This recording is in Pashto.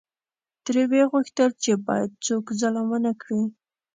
ترې وې غوښتل چې باید څوک ظلم ونکړي.